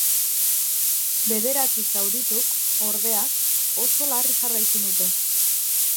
Bederatzi zaurituk, ordea, oso larri jarraitzen dute.